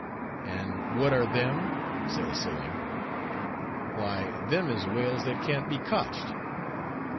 "And what are them?" said a sailor. "Why, them is whales that can't be cotched."